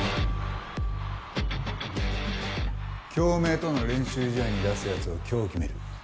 京明との練習試合に出す奴を今日決める。